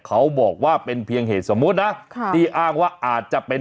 เขาบอกว่าเป็นเพียงเหตุสมมุตินะค่ะที่อ้างว่าอาจจะเป็น